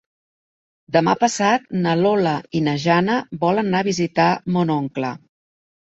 Demà passat na Lola i na Jana volen anar a visitar mon oncle.